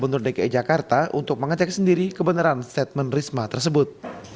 pemkot surabaya meminta gubernur dki jakarta untuk mengecek sendiri kebenaran statement risma tersebut